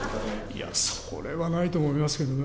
いや、それはないと思いますけどね。